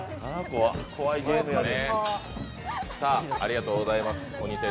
怖いゲームやね。